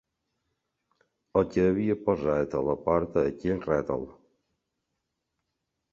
El que havia posat a la porta aquell rètol